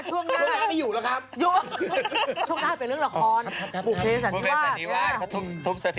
ช่วงหน้านี่อยู่หรอครับ